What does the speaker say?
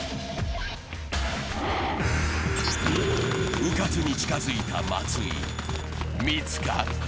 うかつに近づいた松井、見つかった